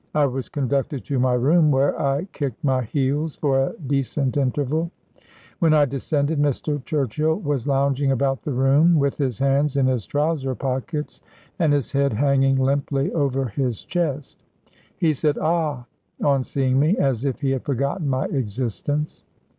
I was conducted to my room, where I kicked my heels for a decent interval. When I descended, Mr. Churchill was lounging about the room with his hands in his trouser pockets and his head hanging limply over his chest. He said, "Ah!" on seeing me, as if he had forgotten my existence.